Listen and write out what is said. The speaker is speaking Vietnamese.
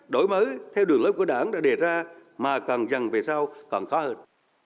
đổi mới theo đường lối của đảng đã đề ra mà càng dần về sau còn khó hơn